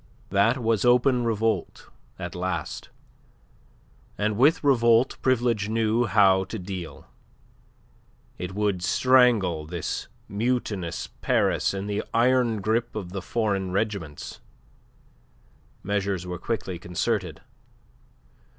That was open revolt at last, and with revolt Privilege knew how to deal. It would strangle this mutinous Paris in the iron grip of the foreign regiments. Measures were quickly concerted.